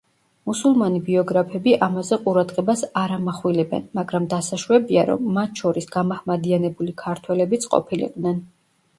მუსულმანი ბიოგრაფები ამაზე ყურადღებას არ ამახვილებენ, მაგრამ დასაშვებია, რომ მათ შორის გამაჰმადიანებული ქართველებიც ყოფილიყვნენ.